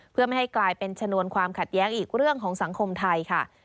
เพื่อไม่ให้กลายเป็นชนวนความขัดแย้งอีกเรื่องของสังคมไทยค่ะ